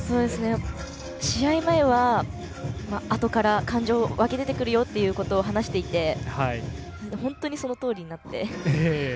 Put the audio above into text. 試合前はあとから感情湧き出てくるよということを話していて本当にそのとおりになって。